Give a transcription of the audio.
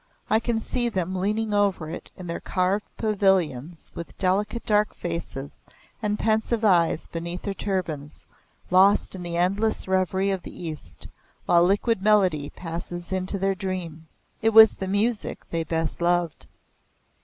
"I can see them leaning over it in their carved pavilions with delicate dark faces and pensive eyes beneath their turbans, lost in the endless reverie of the East while liquid melody passes into their dream. It was the music they best loved."